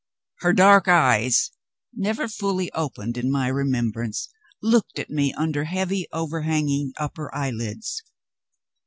Her dark eyes, never fully opened in my remembrance, looked at me under heavy overhanging upper eyelids.